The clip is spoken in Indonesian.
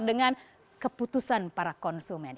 bukan keputusan para konsumen